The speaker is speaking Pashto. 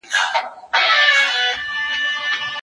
ټکنالوژي موږ ته د ژبو د زده کړې لپاره هر ډول نوي امکانات راکوي.